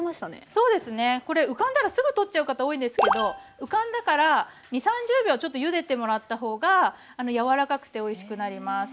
そうですねこれ浮かんだらすぐ取っちゃう方多いですけど浮かんでから２０３０秒ちょっとゆでてもらった方が柔らかくておいしくなります。